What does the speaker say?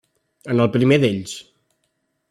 En el primer d'ells.